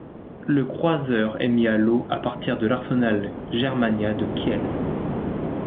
Le croiseur est mis à l'eau à partir de l'arsenal Germania de Kiel.